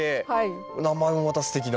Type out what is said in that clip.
名前もまたすてきな。